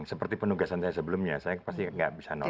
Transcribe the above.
seperti penugasan saya sebelumnya saya pasti tidak bisa menolak